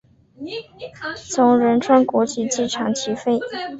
从仁川国际机场起飞。